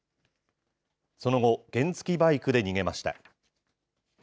その後、原付きバイクで逃げました。